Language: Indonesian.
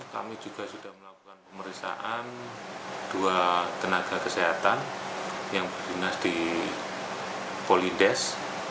kami juga sudah melakukan pemeriksaan dua tenaga kesehatan yang berdinas di polides